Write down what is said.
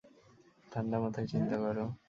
ঠান্ডা মাথায় চিন্তা করো।